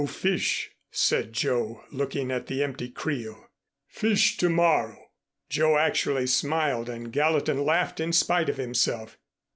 "No fish," said Joe, looking at the empty creel. "Fish to morrow!" Joe actually smiled and Gallatin laughed in spite of himself.